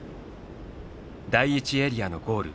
第１エリアのゴール